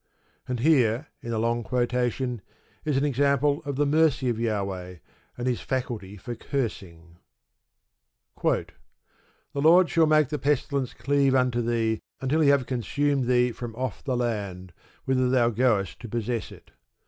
And here, in a long quotation, is an example of the mercy of Jahweh, and his faculty for cursing: The Lord shall make the pestilence cleave unto thee, until he have consumed thee from off the land, whither thou goest to possess it.